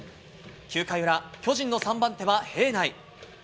９回裏、巨人の３番手は平内。